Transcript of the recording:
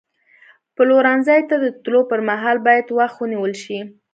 پلورنځي ته د تللو پر مهال باید وخت ونیول شي.